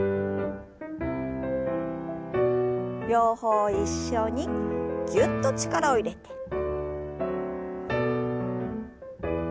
両方一緒にぎゅっと力を入れて。